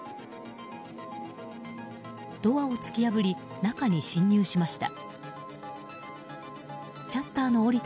ドアを突き破り中に侵入しました。